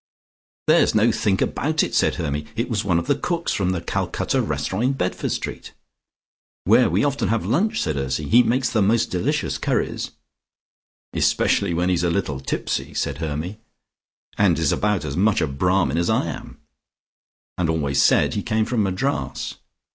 "There's no think about it," said Hermy. "It was one of the cooks from the Calcutta Restaurant in Bedford Street " "Where we often have lunch," said Ursy. "He makes the most delicious curries." "Especially when he's a little tipsy," said Hermy. "And is about as much a Brahmin as I am." "And always said he came from Madras."